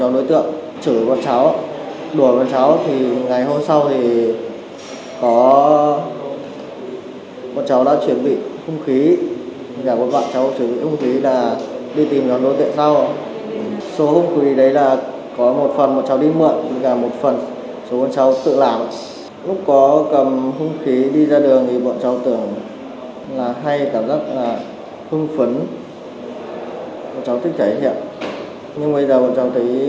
lúc có cầm không khí đi ra đường thì bọn cháu tưởng là hay cảm giác là hương phấn bọn cháu thích thể hiện nhưng bây giờ bọn cháu thấy hành vi của mình là sai trái rất là lạ